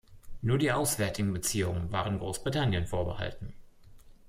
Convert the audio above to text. Nur die auswärtigen Beziehungen waren Großbritannien vorbehalten.